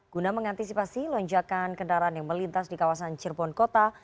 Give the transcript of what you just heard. guna mengantisipasi lonjakan kendaraan yang melintas di kawasan cirebon kota